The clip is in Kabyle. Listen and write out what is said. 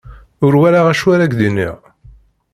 Ur walaɣ acu ar ak-d-iniɣ.